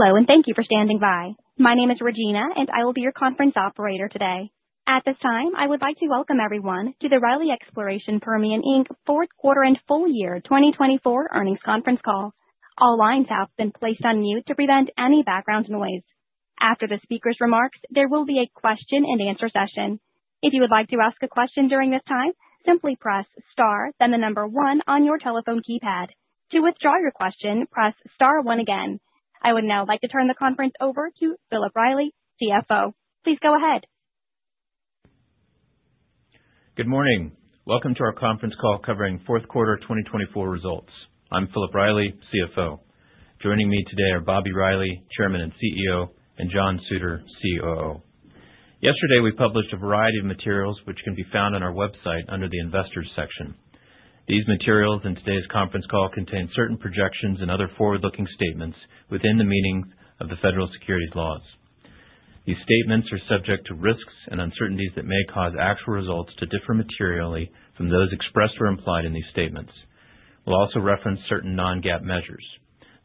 Hello, and thank you for standing by. My name is Regina, and I will be your conference operator today. At this time, I would like to welcome everyone to the Riley Exploration Permian, Inc Fourth Quarter and Full Year 2024 Earnings Conference Call. All lines have been placed on mute to prevent any background noise. After the speaker's remarks, there will be a question-and-answer session. If you would like to ask a question during this time, simply press star, then the number one on your telephone keypad. To withdraw your question, press star one again. I would now like to turn the conference over to Philip Riley, CFO. Please go ahead. Good morning. Welcome to our conference call covering Fourth Quarter 2024 results. I'm Philip Riley, CFO. Joining me today are Bobby Riley, Chairman and CEO, and John Suter, COO. Yesterday, we published a variety of materials which can be found on our website under the Investors section. These materials and today's conference call contain certain projections and other forward-looking statements within the meaning of the federal securities laws. These statements are subject to risks and uncertainties that may cause actual results to differ materially from those expressed or implied in these statements. We'll also reference certain non-GAAP measures.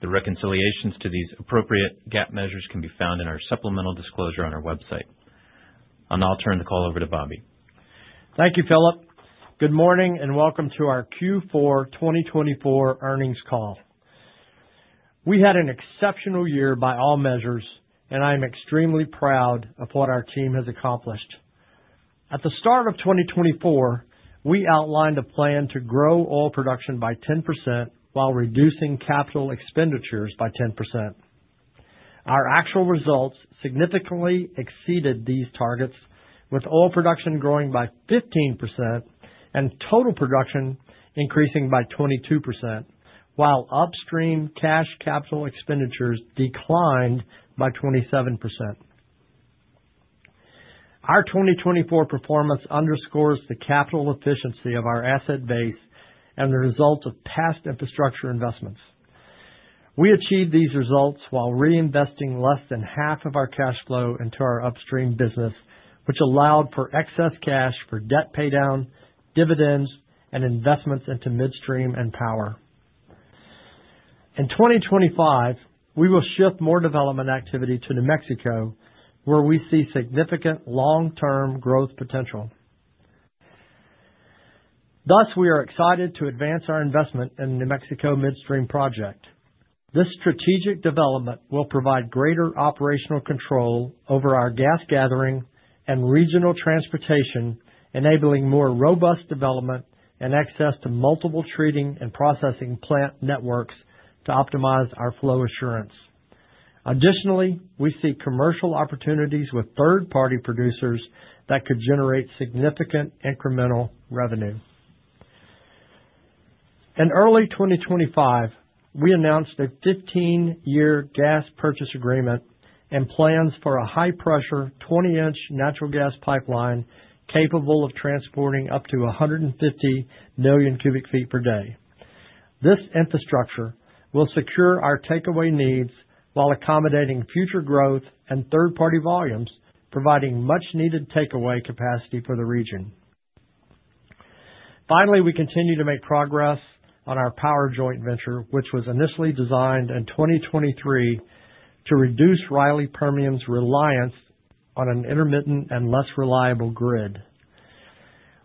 The reconciliations to these appropriate GAAP measures can be found in our supplemental disclosure on our website. I'll now turn the call over to Bobby. Thank you, Philip. Good morning and welcome to our Q4 2024 Earnings Call. We had an exceptional year by all measures, and I am extremely proud of what our team has accomplished. At the start of 2024, we outlined a plan to grow oil production by 10% while reducing capital expenditures by 10%. Our actual results significantly exceeded these targets, with oil production growing by 15% and total production increasing by 22%, while upstream cash capital expenditures declined by 27%. Our 2024 performance underscores the capital efficiency of our asset base and the results of past infrastructure investments. We achieved these results while reinvesting less than half of our cash flow into our upstream business, which allowed for excess cash for debt paydown, dividends, and investments into midstream and power. In 2025, we will shift more development activity to New Mexico, where we see significant long-term growth potential. Thus, we are excited to advance our investment in the New Mexico midstream project. This strategic development will provide greater operational control over our gas gathering and regional transportation, enabling more robust development and access to multiple treating and processing plant networks to optimize our flow assurance. Additionally, we see commercial opportunities with third-party producers that could generate significant incremental revenue. In early 2025, we announced a 15-year gas purchase agreement and plans for a high-pressure 20-inch natural gas pipeline capable of transporting up to 150 million cubic feet per day. This infrastructure will secure our takeaway needs while accommodating future growth and third-party volumes, providing much-needed takeaway capacity for the region. Finally, we continue to make progress on our power joint venture, which was initially designed in 2023 to reduce Riley Permian's reliance on an intermittent and less reliable grid.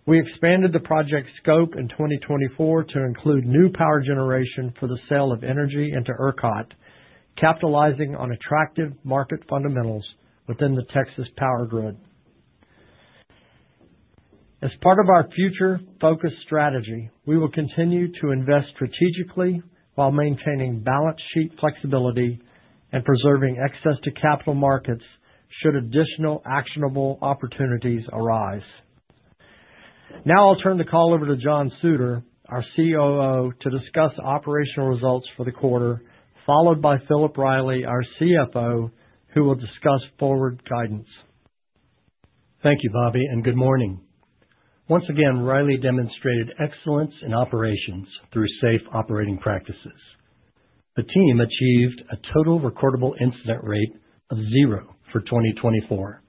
We expanded the project scope in 2024 to include new power generation for the sale of energy into ERCOT, capitalizing on attractive market fundamentals within the Texas power grid. As part of our future-focused strategy, we will continue to invest strategically while maintaining balance sheet flexibility and preserving access to capital markets should additional actionable opportunities arise. Now I'll turn the call over to John Suter, our COO, to discuss operational results for the quarter, followed by Philip Riley, our CFO, who will discuss forward guidance. Thank you, Bobby, and good morning. Once again, Riley demonstrated excellence in operations through safe operating practices. The team achieved a total recordable incident rate of zero for 2024.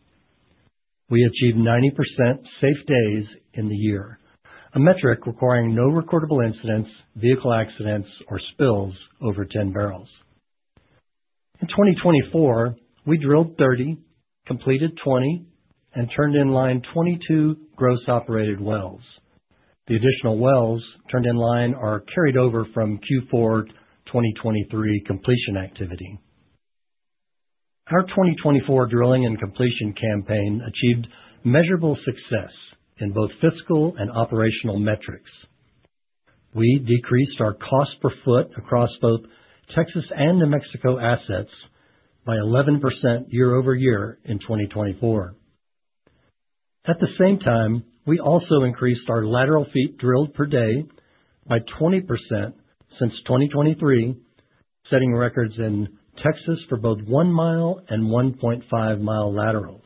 We achieved 90% safe days in the year, a metric requiring no recordable incidents, vehicle accidents, or spills over 10 barrels. In 2024, we drilled 30, completed 20, and turned in line 22 gross operated wells. The additional wells turned in line are carried over from Q4 2023 completion activity. Our 2024 drilling and completion campaign achieved measurable success in both fiscal and operational metrics. We decreased our cost per foot across both Texas and New Mexico assets by 11% year over year in 2024. At the same time, we also increased our lateral feet drilled per day by 20% since 2023, setting records in Texas for both one-mile and 1.5-mile laterals.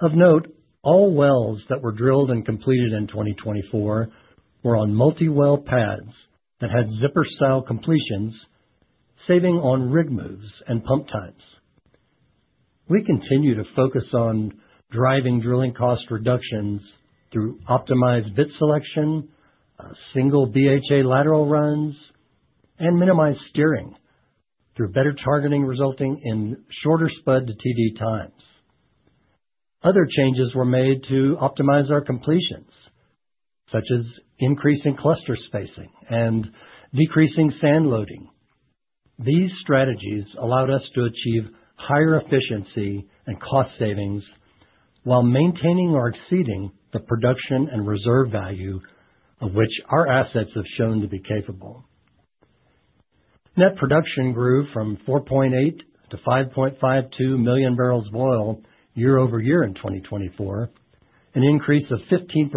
Of note, all wells that were drilled and completed in 2024 were on multi-well pads that had zipper-style completions, saving on rig moves and pump times. We continue to focus on driving drilling cost reductions through optimized bit selection, single BHA lateral runs, and minimized steering through better targeting, resulting in shorter spud to TD times. Other changes were made to optimize our completions, such as increasing cluster spacing and decreasing sand loading. These strategies allowed us to achieve higher efficiency and cost savings while maintaining or exceeding the production and reserve value of which our assets have shown to be capable. Net production grew from 4.8 to 5.52 million barrels of oil year over year in 2024, an increase of 15%,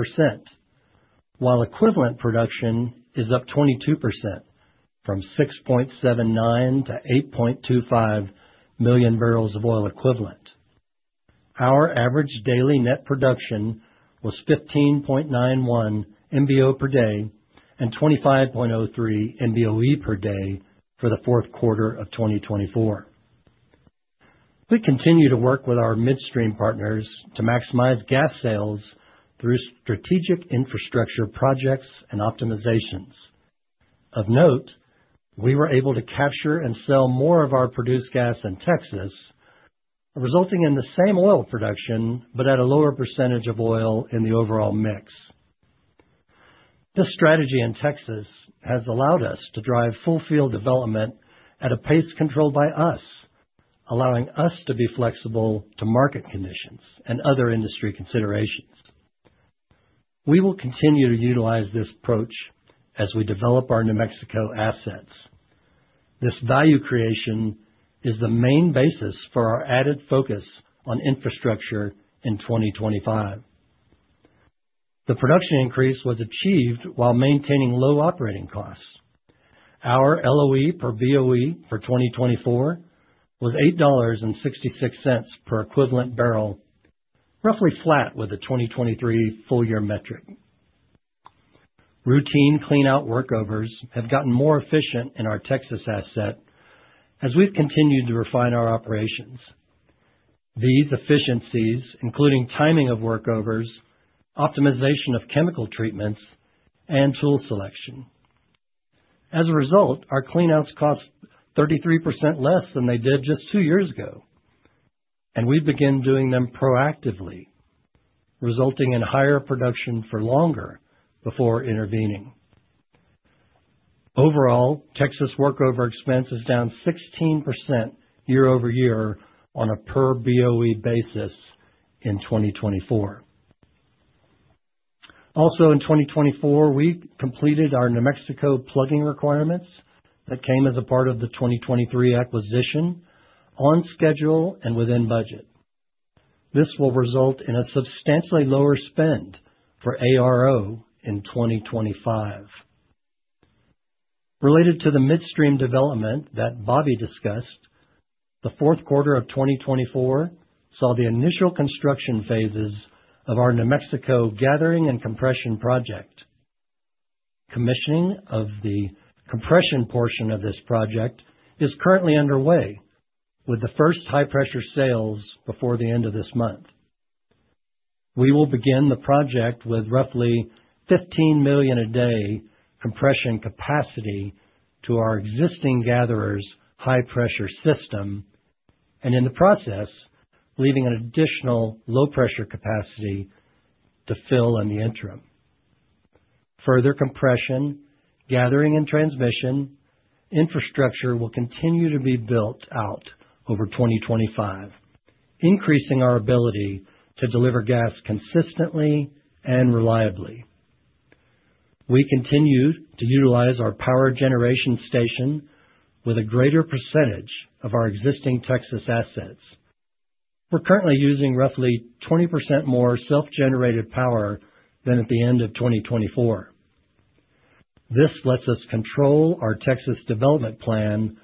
while equivalent production is up 22% from 6.79 to 8.25 million barrels of oil equivalent. Our average daily net production was 15.91 MBo/d and 25.03 MBoe/d for the fourth quarter of 2024. We continue to work with our midstream partners to maximize gas sales through strategic infrastructure projects and optimizations. Of note, we were able to capture and sell more of our produced gas in Texas, resulting in the same oil production but at a lower % of oil in the overall mix. This strategy in Texas has allowed us to drive full-field development at a pace controlled by us, allowing us to be flexible to market conditions and other industry considerations. We will continue to utilize this approach as we develop our New Mexico assets. This value creation is the main basis for our added focus on infrastructure in 2025. The production increase was achieved while maintaining low operating costs. Our LOE per BOE for 2024 was $8.66 per equivalent barrel, roughly flat with the 2023 full-year metric. Routine clean-out workovers have gotten more efficient in our Texas asset as we've continued to refine our operations. These efficiencies include timing of workovers, optimization of chemical treatments, and tool selection. As a result, our clean-outs cost 33% less than they did just two years ago, and we begin doing them proactively, resulting in higher production for longer before intervening. Overall, Texas workover expense is down 16% year over year on a per BOE basis in 2024. Also, in 2024, we completed our New Mexico plugging requirements that came as a part of the 2023 acquisition on schedule and within budget. This will result in a substantially lower spend for ARO in 2025. Related to the midstream development that Bobby discussed, the fourth quarter of 2024 saw the initial construction phases of our New Mexico gathering and compression project. Commissioning of the compression portion of this project is currently underway, with the first high-pressure sales before the end of this month. We will begin the project with roughly 15 million a day compression capacity to our existing gatherers' high-pressure system, and in the process, leaving an additional low-pressure capacity to fill in the interim. Further compression, gathering, and transmission infrastructure will continue to be built out over 2025, increasing our ability to deliver gas consistently and reliably. We continue to utilize our power generation station with a greater percentage of our existing Texas assets. We're currently using roughly 20% more self-generated power than at the end of 2024. This lets us control our Texas development plan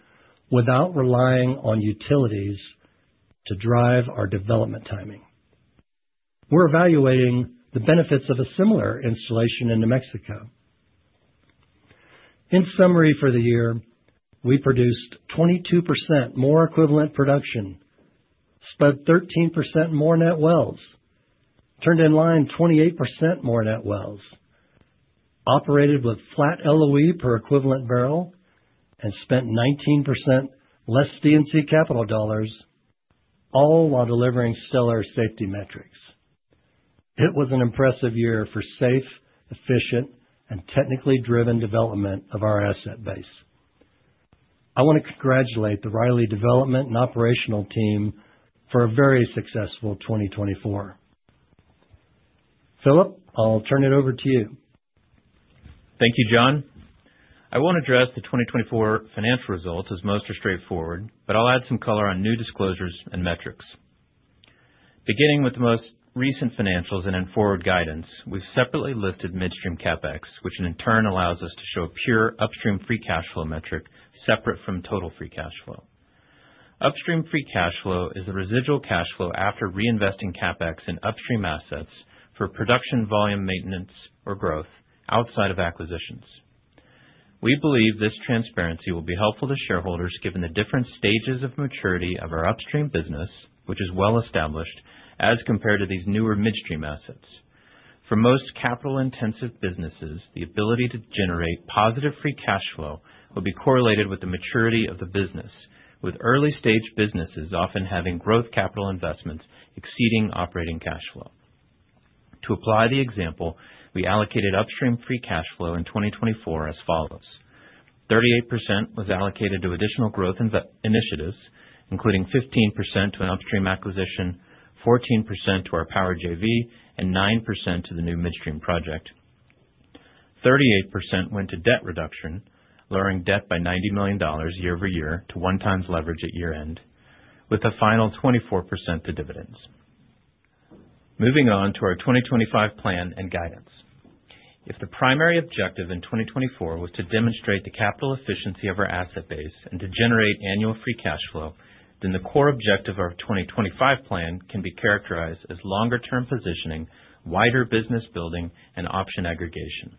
without relying on utilities to drive our development timing. We're evaluating the benefits of a similar installation in New Mexico. In summary for the year, we produced 22% more equivalent production, spent 13% more net wells, turned in line 28% more net wells, operated with flat LOE per equivalent barrel, and spent 19% less C&C Capital dollars, all while delivering stellar safety metrics. It was an impressive year for safe, efficient, and technically driven development of our asset base. I want to congratulate the Riley Development and Operational Team for a very successful 2024. Philip, I'll turn it over to you. Thank you, John. I won't address the 2024 financial results as most are straightforward, but I'll add some color on new disclosures and metrics. Beginning with the most recent financials and then forward guidance, we've separately listed midstream capex, which in turn allows us to show a pure upstream free cash flow metric separate from total free cash flow. Upstream free cash flow is the residual cash flow after reinvesting capex in upstream assets for production volume maintenance or growth outside of acquisitions. We believe this transparency will be helpful to shareholders given the different stages of maturity of our upstream business, which is well established as compared to these newer midstream assets. For most capital-intensive businesses, the ability to generate positive free cash flow will be correlated with the maturity of the business, with early-stage businesses often having growth capital investments exceeding operating cash flow. To apply the example, we allocated upstream free cash flow in 2024 as follows. 38% was allocated to additional growth initiatives, including 15% to an upstream acquisition, 14% to our Power JV, and 9% to the new midstream project. 38% went to debt reduction, lowering debt by $90 million year over year to one-time leverage at year-end, with a final 24% to dividends. Moving on to our 2025 plan and guidance. If the primary objective in 2024 was to demonstrate the capital efficiency of our asset base and to generate annual free cash flow, then the core objective of our 2025 plan can be characterized as longer-term positioning, wider business building, and option aggregation.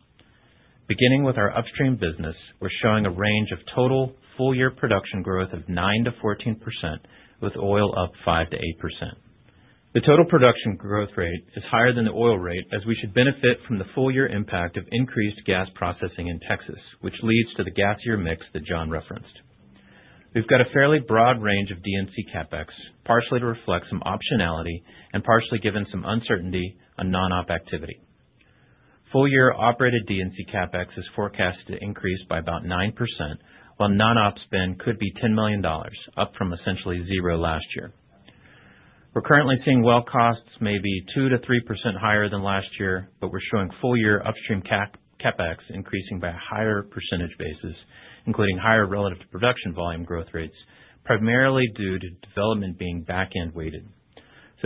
Beginning with our upstream business, we're showing a range of total full-year production growth of 9%-14%, with oil up 5%-8%. The total production growth rate is higher than the oil rate, as we should benefit from the full-year impact of increased gas processing in Texas, which leads to the gasier mix that John referenced. We've got a fairly broad range of D&C capex, partially to reflect some optionality and partially given some uncertainty on non-op activity. Full-year operated D&C capex is forecast to increase by about 9%, while non-op spend could be $10 million, up from essentially zero last year. We're currently seeing well costs maybe 2% to 3% higher than last year, but we're showing full-year upstream capex increasing by a higher percentage basis, including higher relative to production volume growth rates, primarily due to development being back-end weighted.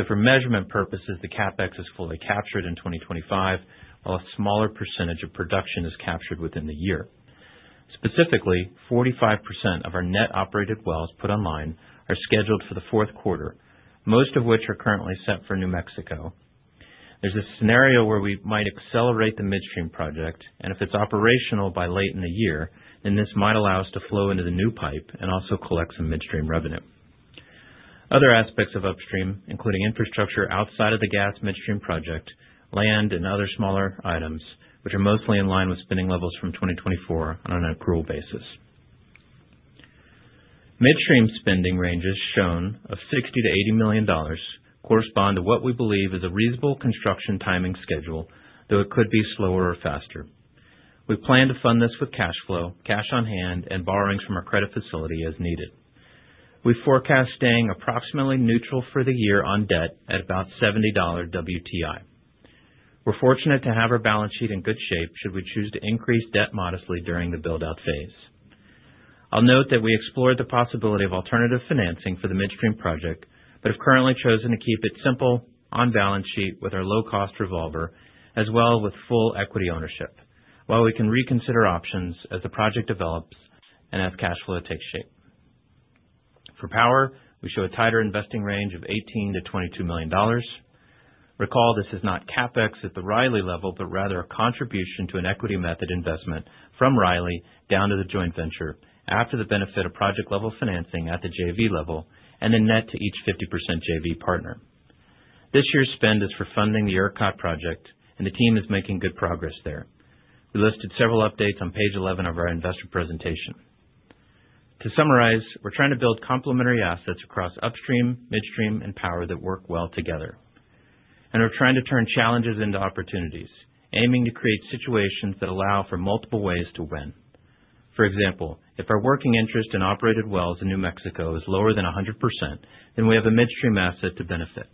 For measurement purposes, the capex is fully captured in 2025, while a smaller percentage of production is captured within the year. Specifically, 45% of our net operated wells put online are scheduled for the fourth quarter, most of which are currently set for New Mexico. There's a scenario where we might accelerate the midstream project, and if it's operational by late in the year, this might allow us to flow into the new pipe and also collect some midstream revenue. Other aspects of upstream, including infrastructure outside of the gas midstream project, land, and other smaller items, are mostly in line with spending levels from 2024 on an accrual basis. Midstream spending ranges shown of $60 million-$80 million correspond to what we believe is a reasonable construction timing schedule, though it could be slower or faster. We plan to fund this with cash flow, cash on hand, and borrowings from our credit facility as needed. We forecast staying approximately neutral for the year on debt at about $70 WTI. We're fortunate to have our balance sheet in good shape should we choose to increase debt modestly during the build-out phase. I'll note that we explored the possibility of alternative financing for the midstream project, but have currently chosen to keep it simple on balance sheet with our low-cost revolver, as well with full equity ownership, while we can reconsider options as the project develops and as cash flow takes shape. For power, we show a tighter investing range of $18 million-$22 million. Recall, this is not capex at the Riley level, but rather a contribution to an equity method investment from Riley down to the joint venture after the benefit of project-level financing at the JV level and then net to each 50% JV partner. This year's spend is for funding the ERCOT project, and the team is making good progress there. We listed several updates on page 11 of our investor presentation. To summarize, we're trying to build complementary assets across upstream, midstream, and power that work well together. We're trying to turn challenges into opportunities, aiming to create situations that allow for multiple ways to win. For example, if our working interest in operated wells in New Mexico is lower than 100%, then we have a midstream asset to benefit.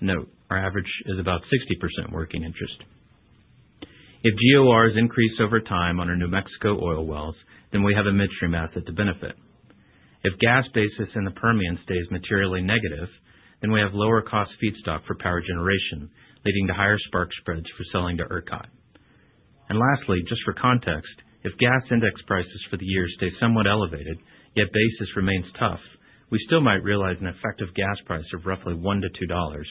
Note our average is about 60% working interest. If GORs increase over time on our New Mexico oil wells, then we have a midstream asset to benefit. If gas basis in the Permian stays materially negative, then we have lower-cost feedstock for power generation, leading to higher spark spreads for selling to ERCOT. Lastly, just for context, if gas index prices for the year stay somewhat elevated, yet basis remains tough, we still might realize an effective gas price of roughly $1 million-$2 million,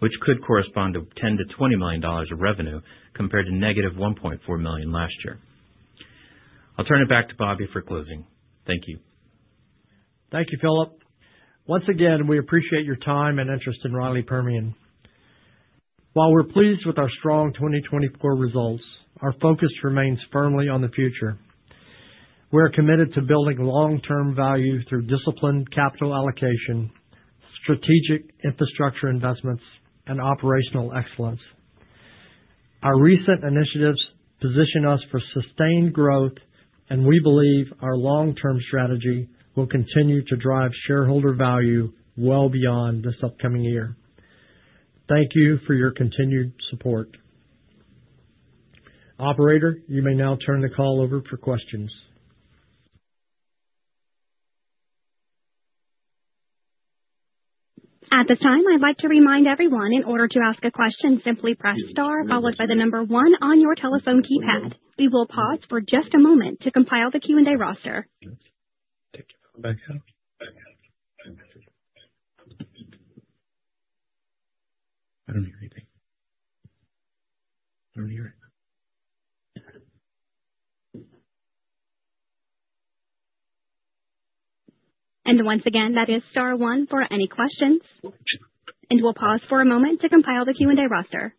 which could correspond to $10 million-$20 million of revenue compared to negative $1.4 million last year. I'll turn it back to Bobby for closing. Thank you. Thank you, Philip. Once again, we appreciate your time and interest in Riley Permian. While we're pleased with our strong 2024 results, our focus remains firmly on the future. We are committed to building long-term value through disciplined capital allocation, strategic infrastructure investments, and operational excellence. Our recent initiatives position us for sustained growth, and we believe our long-term strategy will continue to drive shareholder value well beyond this upcoming year. Thank you for your continued support. Operator, you may now turn the call over for questions. At this time, I'd like to remind everyone in order to ask a question, simply press star, followed by the number one on your telephone keypad. We will pause for just a moment to compile the Q&A roster. Once again, that is star one for any questions. We'll pause for a moment to compile the Q&A roster.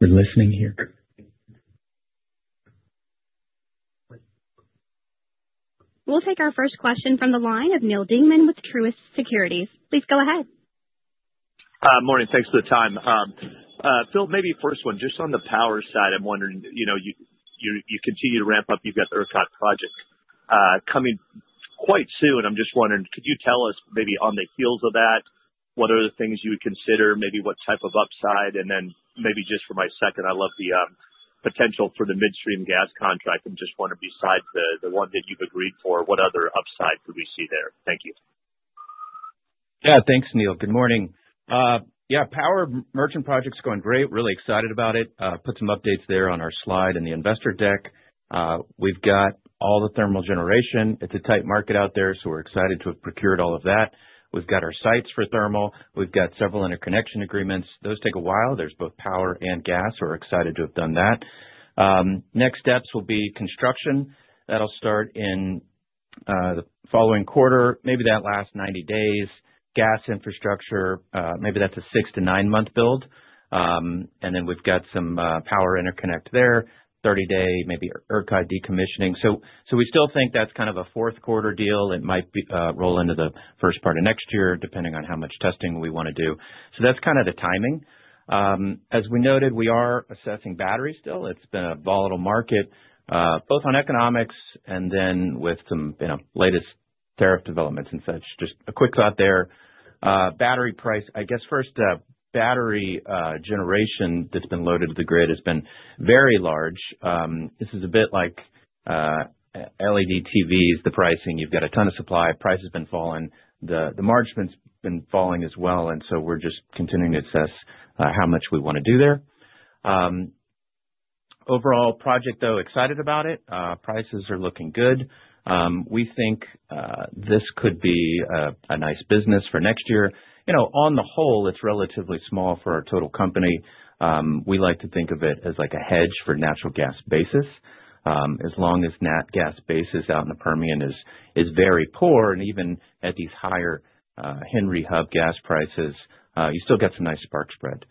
We're listening here. We'll take our first question from the line of Neal Dingmann with Truist Securities. Please go ahead. Morning. Thanks for the time. Philip, maybe first one, just on the power side, I'm wondering, you continue to ramp up, you've got the ERCOT project coming quite soon. I'm just wondering, could you tell us maybe on the heels of that, what are the things you would consider, maybe what type of upside? And then maybe just for my second, I love the potential for the midstream gas contract and just wonder besides the one that you've agreed for, what other upside could we see there? Thank you. Yeah. Thanks, Neal. Good morning. Yeah, power merchant project's going great. Really excited about it. Put some updates there on our slide and the investor deck. We've got all the thermal generation. It's a tight market out there, so we're excited to have procured all of that. We've got our sites for thermal. We've got several interconnection agreements. Those take a while. There's both power and gas. We're excited to have done that. Next steps will be construction. That'll start in the following quarter, maybe that last 90 days. Gas infrastructure, maybe that's a six- to nine-month build. Then we've got some power interconnect there, 30-day, maybe ERCOT decommissioning. We still think that's kind of a fourth-quarter deal. It might roll into the first part of next year, depending on how much testing we want to do. That's kind of the timing. As we noted, we are assessing battery still. It's been a volatile market, both on economics and then with some latest tariff developments and such. Just a quick thought there. Battery price, I guess first, battery generation that's been loaded to the grid has been very large. This is a bit like LED TVs, the pricing. You've got a ton of supply. Price has been falling. The margin's been falling as well, and so we're just continuing to assess how much we want to do there. Overall project, though, excited about it. Prices are looking good. We think this could be a nice business for next year. On the whole, it's relatively small for our total company. We like to think of it as like a hedge for natural gas basis. As long as natural gas basis out in the Permian is very poor, and even at these higher Henry Hub gas prices, you still get some nice spark spread.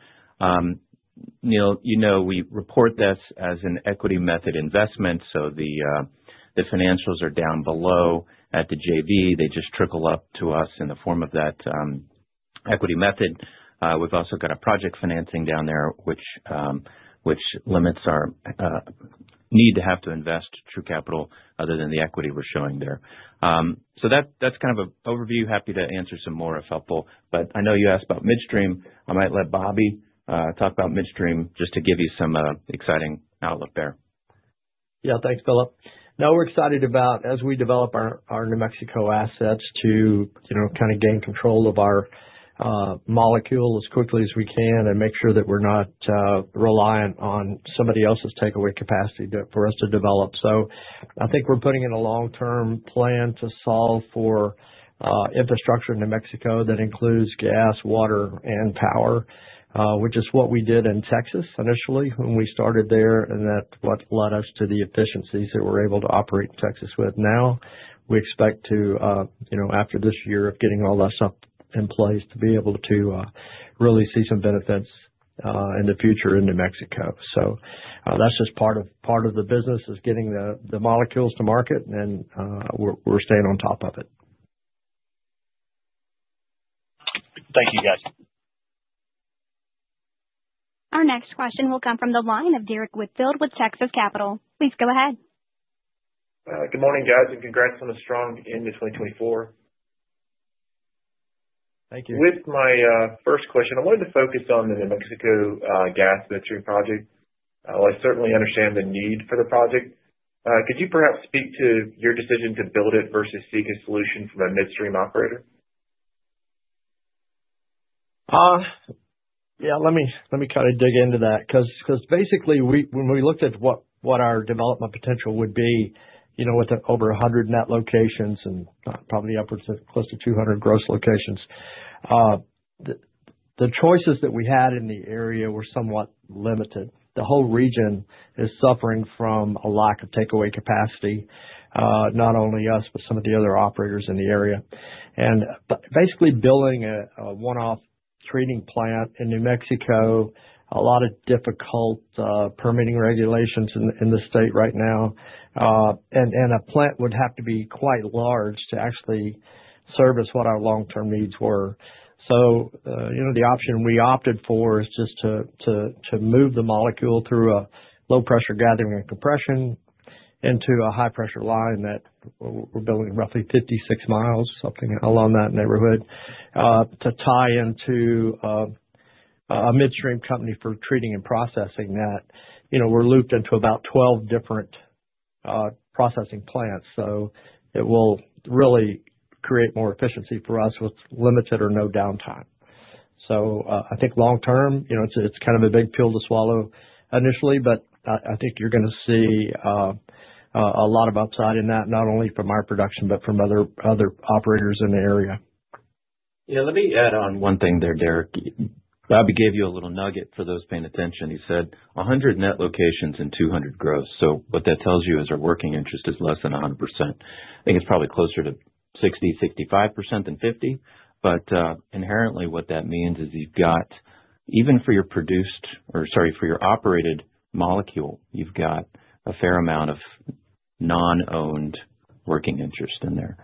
Neal, you know we report this as an equity method investment, so the financials are down below at the JV. They just trickle up to us in the form of that equity method. We've also got a project financing down there, which limits our need to have to invest true capital other than the equity we're showing there. That is kind of an overview. Happy to answer some more if helpful. I know you asked about midstream. I might let Bobby talk about midstream just to give you some exciting outlook there. Yeah, thanks, Philip. No, we're excited about as we develop our New Mexico assets to kind of gain control of our molecule as quickly as we can and make sure that we're not reliant on somebody else's takeaway capacity for us to develop. I think we're putting in a long-term plan to solve for infrastructure in New Mexico that includes gas, water, and power, which is what we did in Texas initially when we started there, and that's what led us to the efficiencies that we're able to operate in Texas with now. We expect to, after this year of getting all that stuff in place, to be able to really see some benefits in the future in New Mexico. That's just part of the business, is getting the molecules to market, and we're staying on top of it. Thank you, guys. Our next question will come from the line of Derrick Whitfield with Texas Capital. Please go ahead. Good morning, guys, and congrats on a strong end to 2024. Thank you. With my first question, I wanted to focus on the New Mexico gas midstream project. I certainly understand the need for the project. Could you perhaps speak to your decision to build it versus seek a solution from a midstream operator? Yeah, let me kind of dig into that. Because basically, when we looked at what our development potential would be with over 100 net locations and probably upwards of close to 200 gross locations, the choices that we had in the area were somewhat limited. The whole region is suffering from a lack of takeaway capacity, not only us, but some of the other operators in the area. Basically, building a one-off treating plant in New Mexico, a lot of difficult permitting regulations in the state right now, and a plant would have to be quite large to actually service what our long-term needs were. The option we opted for is just to move the molecule through a low-pressure gathering and compression into a high-pressure line that we're building roughly 56 mi, something along that neighborhood, to tie into a midstream company for treating and processing that. We're looped into about 12 different processing plants, so it will really create more efficiency for us with limited or no downtime. I think long-term, it's kind of a big pill to swallow initially, but I think you're going to see a lot of upside in that, not only from our production, but from other operators in the area. Yeah, let me add on one thing there, Derrick. Bobby gave you a little nugget for those paying attention. He said 100 net locations and 200 gross. What that tells you is our working interest is less than 100%. I think it's probably closer to 60-65% than 50%. Inherently, what that means is you've got, even for your produced or, sorry, for your operated molecule, you've got a fair amount of non-owned working interest in there.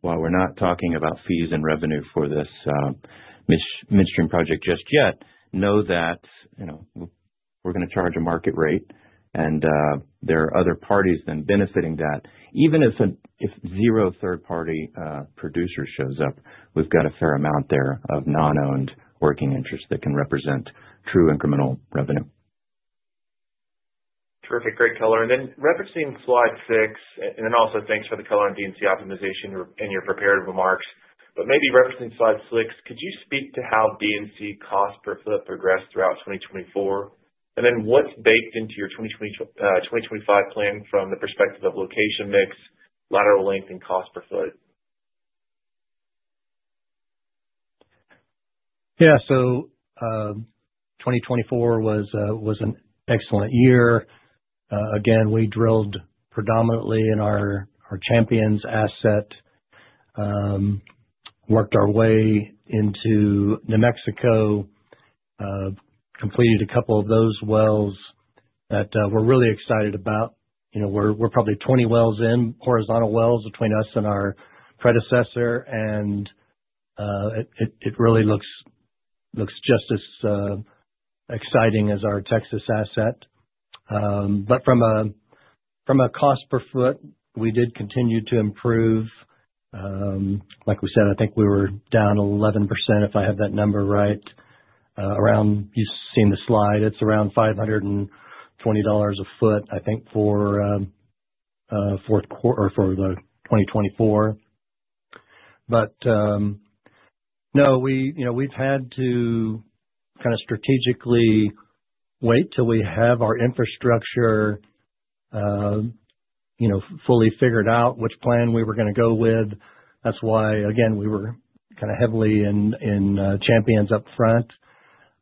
While we're not talking about fees and revenue for this midstream project just yet, know that we're going to charge a market rate, and there are other parties then benefiting that. Even if zero third-party producers shows up, we've got a fair amount there of non-owned working interest that can represent true incremental revenue. Terrific. Great color. Referencing slide six, and also thanks for the color on D&C optimization and your prepared remarks. Maybe referencing slide six, could you speak to how D&C cost per foot progressed throughout 2024? What's baked into your 2025 plan from the perspective of location mix, lateral length, and cost per foot? Yeah. 2024 was an excellent year. Again, we drilled predominantly in our Champions asset, worked our way into New Mexico, completed a couple of those wells that we're really excited about. We're probably 20 wells in, horizontal wells between us and our predecessor, and it really looks just as exciting as our Texas asset. From a cost per foot, we did continue to improve. Like we said, I think we were down 11%, if I have that number right. You've seen the slide. It's around $520 a foot, I think, for 2024. No, we've had to kind of strategically wait till we have our infrastructure fully figured out, which plan we were going to go with. That's why, again, we were kind of heavily in Champions upfront.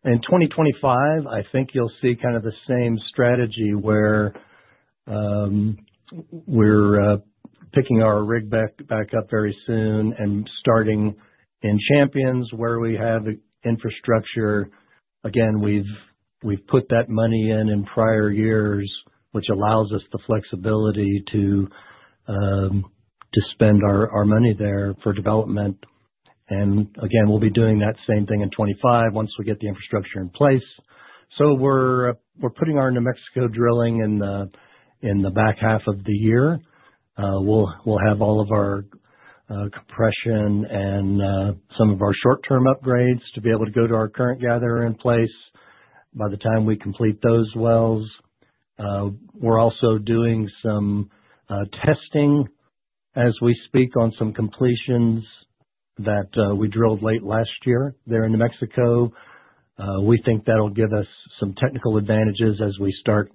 In 2025, I think you'll see kind of the same strategy where we're picking our rig back up very soon and starting in Champions where we have infrastructure. Again, we've put that money in in prior years, which allows us the flexibility to spend our money there for development. Again, we'll be doing that same thing in 2025 once we get the infrastructure in place. We're putting our New Mexico drilling in the back half of the year. We'll have all of our compression and some of our short-term upgrades to be able to go to our current gatherer in place by the time we complete those wells. We're also doing some testing as we speak on some completions that we drilled late last year there in New Mexico. We think that'll give us some technical advantages as we start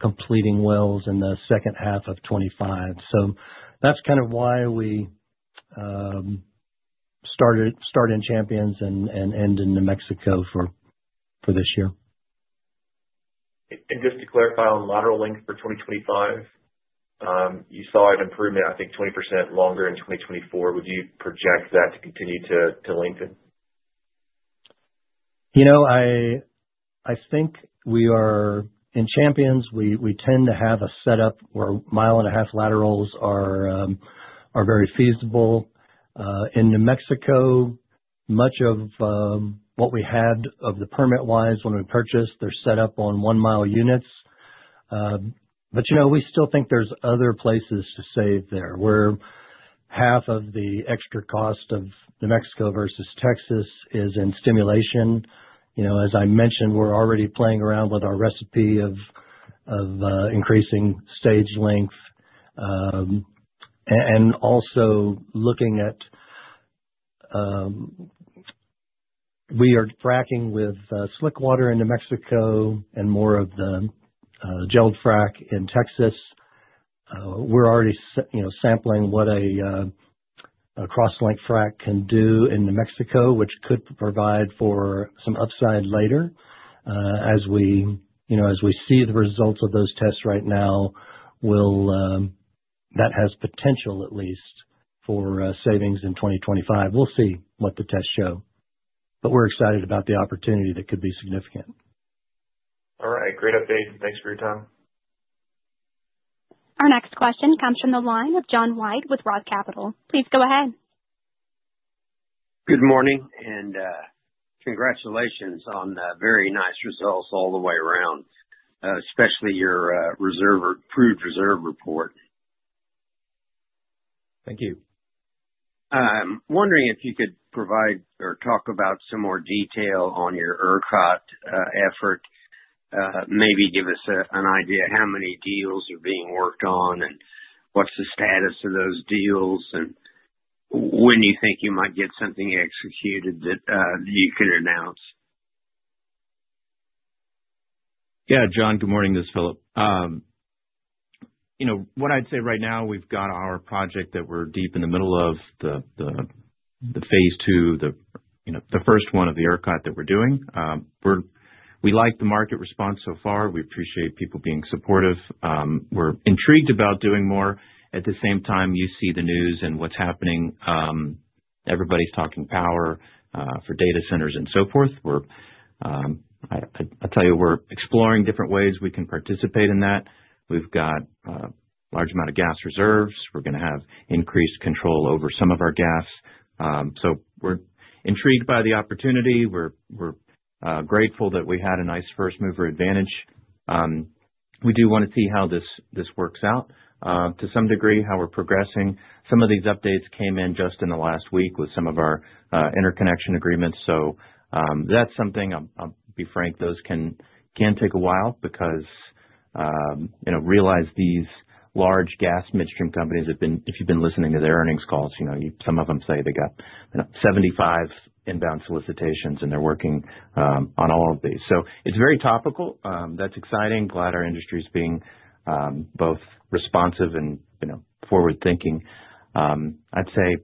completing wells in the second half of 2025. That's kind of why we start in Champions and end in New Mexico for this year. Just to clarify on lateral length for 2025, you saw an improvement, I think, 20% longer in 2024. Would you project that to continue to lengthen? I think in Champions, we tend to have a setup where mile-and-a-half laterals are very feasible. In New Mexico, much of what we had of the permit-wise when we purchased, they're set up on one-mile units. We still think there's other places to save there, where half of the extra cost of New Mexico versus Texas is in stimulation. As I mentioned, we're already playing around with our recipe of increasing stage length and also looking at we are fracking with slick water in New Mexico and more of the gelled frack in Texas. We're already sampling what a cross-link frack can do in New Mexico, which could provide for some upside later. As we see the results of those tests right now, that has potential, at least, for savings in 2025. We'll see what the tests show. We're excited about the opportunity that could be significant. All right. Great update. Thanks for your time. Our next question comes from the line of John Wide with Riley Capital. Please go ahead. Good morning, and congratulations on very nice results all the way around, especially your approved reserve report. Thank you. I'm wondering if you could provide or talk about some more detail on your ERCOT effort, maybe give us an idea of how many deals are being worked on and what's the status of those deals, and when you think you might get something executed that you can announce. Yeah, John, good morning. This is Philip. What I'd say right now, we've got our project that we're deep in the middle of, the phase two, the first one of the ERCOT that we're doing. We like the market response so far. We appreciate people being supportive. We're intrigued about doing more. At the same time, you see the news and what's happening. Everybody's talking power for data centers and so forth. I'll tell you, we're exploring different ways we can participate in that. We've got a large amount of gas reserves. We're going to have increased control over some of our gas. So we're intrigued by the opportunity. We're grateful that we had a nice first-mover advantage. We do want to see how this works out to some degree, how we're progressing. Some of these updates came in just in the last week with some of our interconnection agreements. That's something, I'll be frank, those can take a while because realize these large gas midstream companies have been, if you've been listening to their earnings calls, some of them say they got 75 inbound solicitations, and they're working on all of these. It's very topical. That's exciting. Glad our industry is being both responsive and forward-thinking. I'd say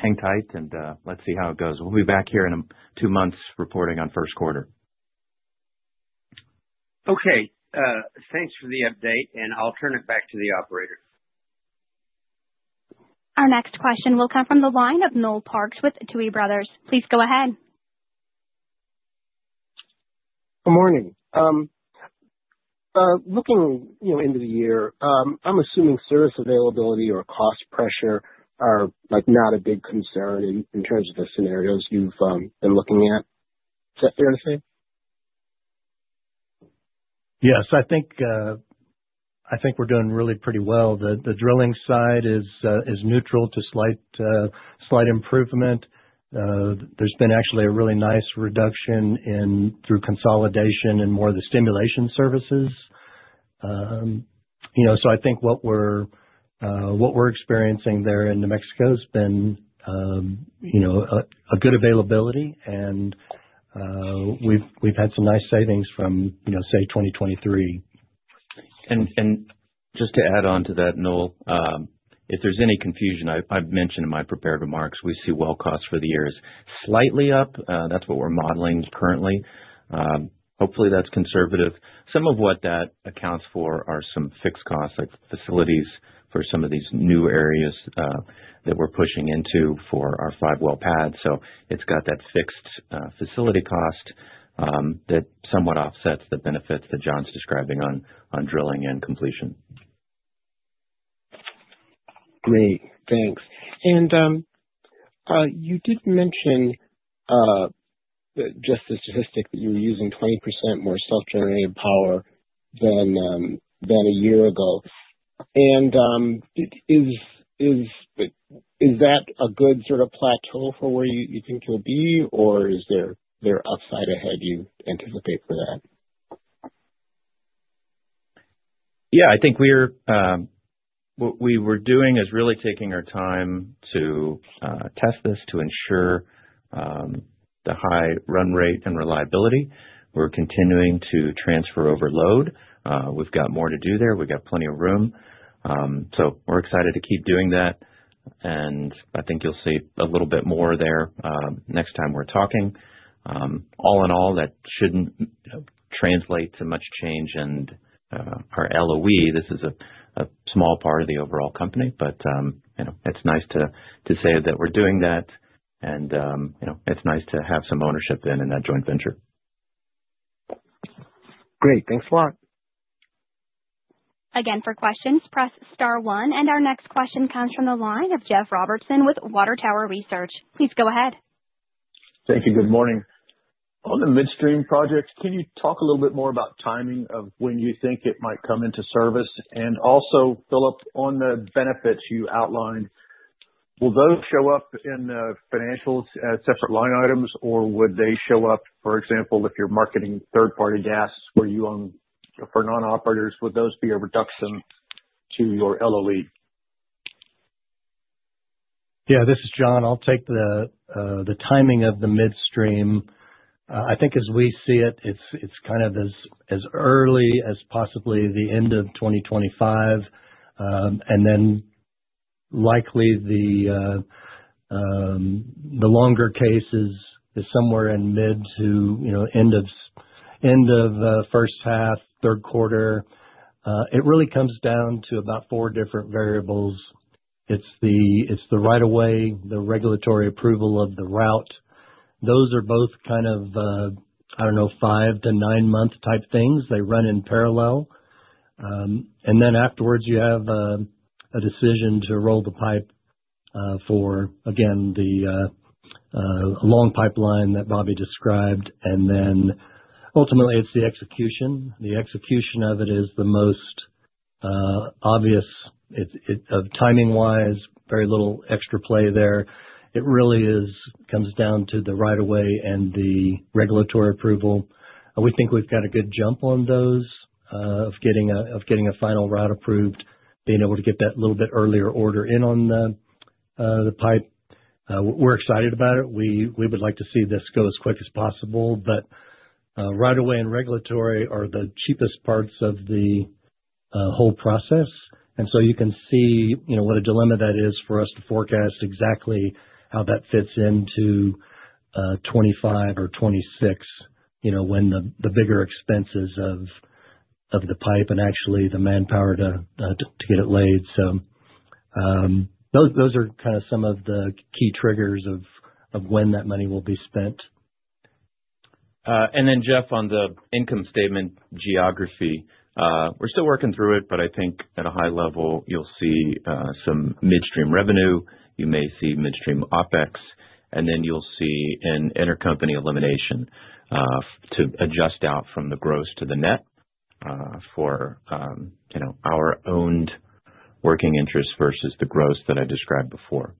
hang tight, and let's see how it goes. We'll be back here in two months reporting on first quarter. Okay. Thanks for the update, and I'll turn it back to the operator. Our next question will come from the line of Noel Parks with Tuohy Brothers. Please go ahead. Good morning. Looking into the year, I'm assuming service availability or cost pressure are not a big concern in terms of the scenarios you've been looking at. Is that fair to say? Yes. I think we're doing really pretty well. The drilling side is neutral to slight improvement. There's been actually a really nice reduction through consolidation and more of the stimulation services. I think what we're experiencing there in New Mexico has been a good availability, and we've had some nice savings from, say, 2023. Just to add on to that, Noel, if there's any confusion, I've mentioned in my prepared remarks, we see well costs for the year slightly up. That's what we're modeling currently. Hopefully, that's conservative. Some of what that accounts for are some fixed costs, like facilities for some of these new areas that we're pushing into for our five well pads. It's got that fixed facility cost that somewhat offsets the benefits that John's describing on drilling and completion. Great. Thanks. You did mention just the statistic that you were using 20% more self-generated power than a year ago. Is that a good sort of plateau for where you think you'll be, or is there upside ahead you anticipate for that? Yeah. I think what we were doing is really taking our time to test this to ensure the high run rate and reliability. We're continuing to transfer overload. We've got more to do there. We've got plenty of room. We're excited to keep doing that. I think you'll see a little bit more there next time we're talking. All in all, that shouldn't translate to much change in our LOE. This is a small part of the overall company, but it's nice to say that we're doing that, and it's nice to have some ownership in that joint venture. Great. Thanks a lot. Again, for questions, press star one. Our next question comes from the line of Jeff Robertson with Water Tower Research. Please go ahead. Thank you. Good morning. On the midstream projects, can you talk a little bit more about timing of when you think it might come into service? Also, Philip, on the benefits you outlined, will those show up in financials as separate line items, or would they show up, for example, if you're marketing third-party gas for non-operators, would those be a reduction to your LOE? Yeah. This is John. I'll take the timing of the midstream. I think as we see it, it's kind of as early as possibly the end of 2025. Likely the longer case is somewhere in mid to end of first half, third quarter. It really comes down to about four different variables. It's the right-of-way, the regulatory approval of the route. Those are both kind of, I don't know, five to nine-month type things. They run in parallel. Afterwards, you have a decision to roll the pipe for, again, the long pipeline that Bobby described. Ultimately, it's the execution. The execution of it is the most obvious. Timing-wise, very little extra play there. It really comes down to the right-of-way and the regulatory approval. We think we've got a good jump on those of getting a final route approved, being able to get that little bit earlier order in on the pipe. We're excited about it. We would like to see this go as quick as possible. Right-of-way and regulatory are the cheapest parts of the whole process. You can see what a dilemma that is for us to forecast exactly how that fits into 2025 or 2026 when the bigger expenses of the pipe and actually the manpower to get it laid. Those are kind of some of the key triggers of when that money will be spent. Jeff, on the income statement geography, we're still working through it, but I think at a high level, you'll see some midstream revenue. You may see midstream OpEx, and then you'll see an intercompany elimination to adjust out from the gross to the net for our owned working interest versus the gross that I described before.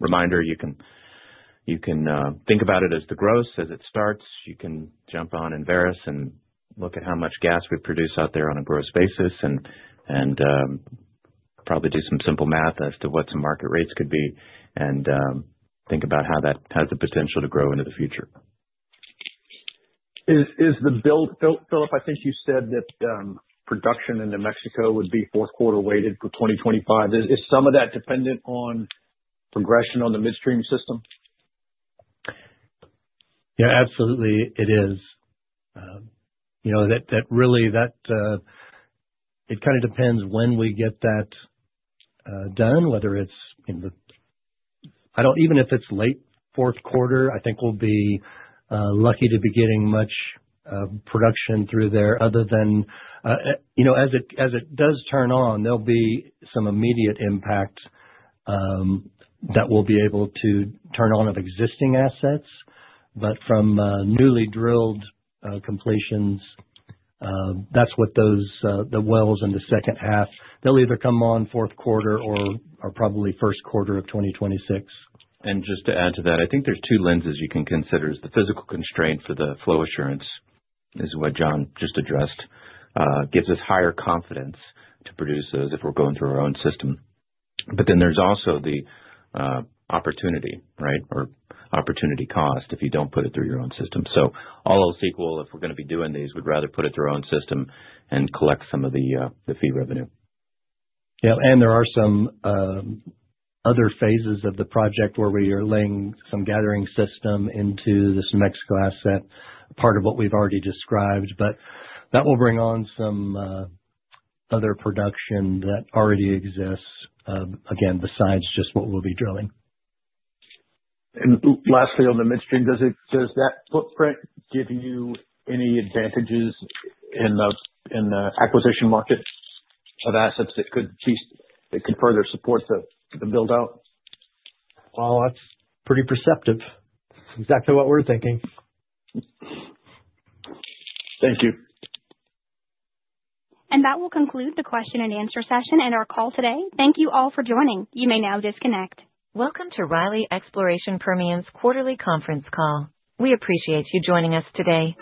Reminder, you can think about it as the gross as it starts. You can jump on and varice and look at how much gas we produce out there on a gross basis and probably do some simple math as to what some market rates could be and think about how that has the potential to grow into the future. Philip, I think you said that production in New Mexico would be fourth quarter weighted for 2025. Is some of that dependent on progression on the midstream system? Yeah, absolutely. It is. Really, it kind of depends when we get that done, whether it's even if it's late fourth quarter, I think we'll be lucky to be getting much production through there other than as it does turn on, there'll be some immediate impact that we'll be able to turn on of existing assets. From newly drilled completions, that's what the wells in the second half, they'll either come on fourth quarter or probably first quarter of 2026. Just to add to that, I think there's two lenses you can consider. The physical constraint for the flow assurance is what John just addressed. It gives us higher confidence to produce those if we're going through our own system. But then there's also the opportunity, right, or opportunity cost if you don't put it through your own system. So all else equal, if we're going to be doing these, we'd rather put it through our own system and collect some of the fee revenue. Yeah. There are some other phases of the project where we are laying some gathering system into this New Mexico asset, part of what we've already described. That will bring on some other production that already exists, again, besides just what we'll be drilling. Lastly, on the midstream, does that footprint give you any advantages in the acquisition market of assets that could further support the build-out? That's pretty perceptive. Exactly what we're thinking. Thank you. That will conclude the question and answer session and our call today. Thank you all for joining. You may now disconnect. Welcome to Riley Exploration Permian's quarterly conference call. We appreciate you joining us today.